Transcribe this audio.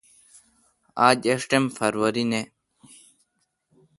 آج ایݭٹم فروری نہ۔